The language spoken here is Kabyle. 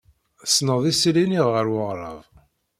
Tsenned isili-nni ɣer weɣrab.